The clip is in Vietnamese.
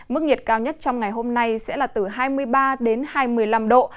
mức nhiệt cao nhất trong ngày hôm nay sẽ là từ hai mươi ba đến hai mươi năm độ